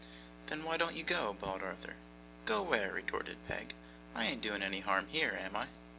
'Then why don't you go?' bawled Arthur. 'Go where?' retorted Peg. 'I ain't doing any harm here, am I?